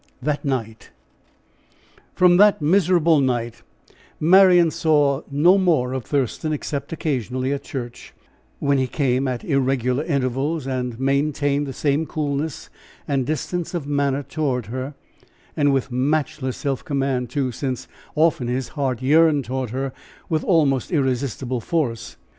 THAT NIGHT. From that miserable night, Marian saw no more of Thurston, except occasionally at church, when he came at irregular intervals, and maintained the same coolness and distance of manner toward her, and with matchless self command, too, since often his heart yearned toward her with almost irresistible force.